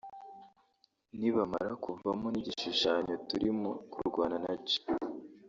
nibamara kuvamo n’igishushanyo turimo kurwana nacyo